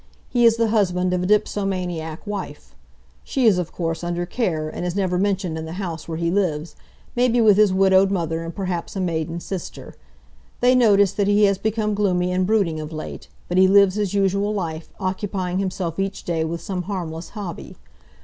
He is the husband of a dipsomaniac wife. She is, of course, under care, and is never mentioned in the house where he lives, maybe with his widowed mother and perhaps a maiden sister. They notice that he has become gloomy and brooding of late, but he lives his usual life, occupying himself each day with some harmless hobby.